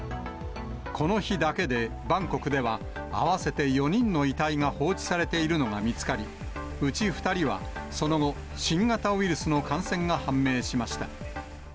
この日だけで、バンコクでは合わせて４人の遺体が放置されているのが見つかり、うち２人はその後、新型ウイルスの感染が判明しました。